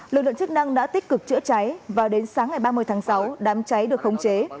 lực lượng chức năng đã tích cực chữa cháy và đến sáng ngày ba mươi tháng sáu đám cháy được khống chế